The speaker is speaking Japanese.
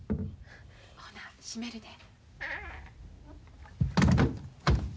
ほな閉めるで。